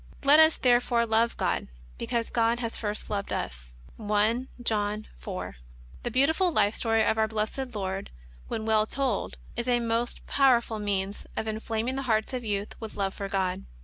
Let us therefore love God, because God first hath loved us." (I. John 4). The Ix^autiful life story of Our Blessed Lord, when well told, is a most powerful means of inflaming the hearts of youth with love for God.